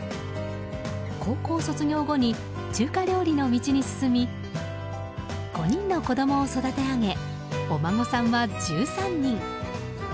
高校卒業後に中華料理の道に進み５人の子供を育て上げお孫さんは１３人。